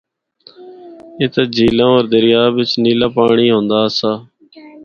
اِتھا جھیلاں ہور دریا بچ نیلا پانڑی ہوندا آسا۔